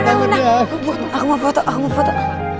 wah reyna menang aku mau foto aku mau foto